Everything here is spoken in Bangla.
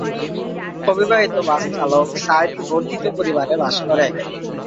অবিবাহিত বাস চালক সাইদ বর্ধিত পরিবারে বাস করে।